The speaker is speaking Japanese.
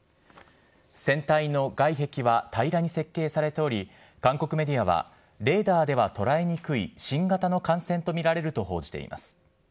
船体の外壁は平らに設計されており、韓国メディアは、レーダーでは捉えにくい新型の艦船と見られると報じています。